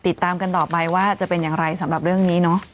ติดตามกันต่อไปว่าจะเป็นอย่างไรสำหรับเรื่องนี้เนอะ